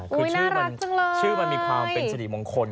น่ารักจังเลยคุณดูเขาทำอุโมงสิชื่อมันมีความเป็นสิริมงคล